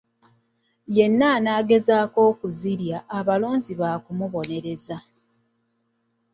Yenna anaagezaako okuzirya, abalonzi baakumubonereza.